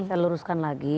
saya luruskan lagi